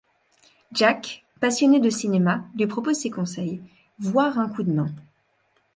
Jack, passionné de cinéma, lui propose ses conseils, voire un coup de main.